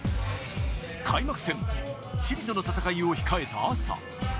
開幕戦、チリとの戦いを控えた朝。